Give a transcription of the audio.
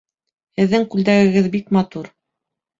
Һеҙҙең күлдәгегеҙ бик матур!